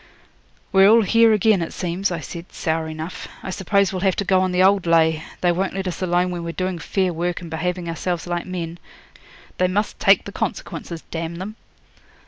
'We're all here again, it seems,' I said, sour enough. 'I suppose we'll have to go on the old lay; they won't let us alone when we're doing fair work and behaving ourselves like men. They must take the consequences, d n them!'